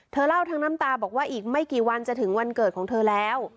เล่าทั้งน้ำตาบอกว่าอีกไม่กี่วันจะถึงวันเกิดของเธอแล้ว